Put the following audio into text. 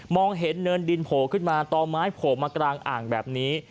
เห็นเนินดินโผล่ขึ้นมาต่อไม้โผล่มากลางอ่างแบบนี้